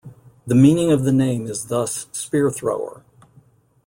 The meaning of the name is thus 'spear thrower'.